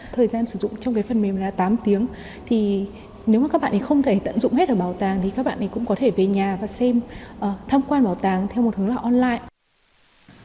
thời gian sử dụng trong cái phần mềm là tám tiếng thì nếu mà các bạn ấy không thể tận dụng hết ở bảo tàng thì các bạn ấy cũng có thể về nhà và xem tham quan bảo tàng theo một hướng là online